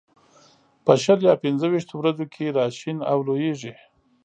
په شل یا پنځه ويشتو ورځو کې را شین او لوېږي.